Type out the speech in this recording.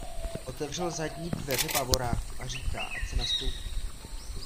Otevřel zadní dveře Bavoráku a říká, ať si nastoupím.